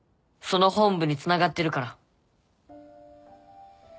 その本部につながってるから。